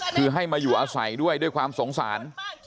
คือให้มาอยู่อาศัยด้วยด้วยความสงสาร